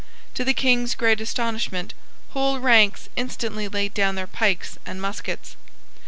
To the King's great astonishment, whole ranks instantly laid down their pikes and muskets.